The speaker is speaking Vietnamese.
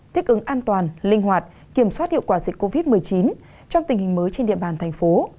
thích ứng an toàn linh hoạt kiểm soát hiệu quả dịch covid một mươi chín trong tình hình mới trên địa bàn thành phố